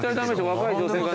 若い女性が。